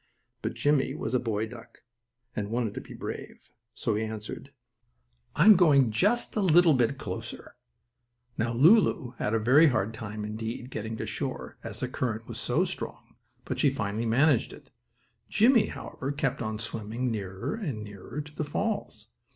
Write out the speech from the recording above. But Jimmie was a boy duck, and wanted to be brave, so he answered: "I'm going just a little bit closer." Now Lulu had a very hard time, indeed, getting to shore, as the current was so strong, but she finally managed it. Jimmie, however, kept on swimming nearer and nearer to the falls.